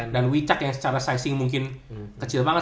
dan wicak yang secara sizing mungkin kecil banget